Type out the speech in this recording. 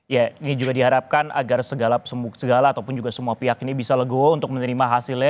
ya ini juga diharapkan agar segala ataupun juga semua pihak ini bisa legowo untuk menerima hasilnya